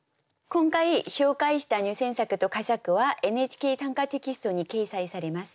今回紹介した入選作と佳作は「ＮＨＫ短歌」テキストに掲載されます。